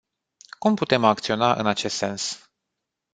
Cum putem acționa în acest sens?